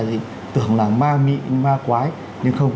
gì tưởng là ma mị ma quái nhưng không